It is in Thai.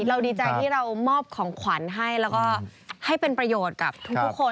เราดีใจที่เรามอบของขวัญให้แล้วก็ให้เป็นประโยชน์กับทุกคน